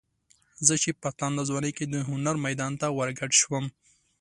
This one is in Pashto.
زه چې په تانده ځوانۍ کې د هنر میدان ته ورګډ شوم.